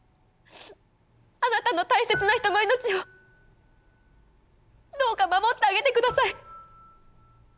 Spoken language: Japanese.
あなたの大切な人の命をどうか守ってあげてください。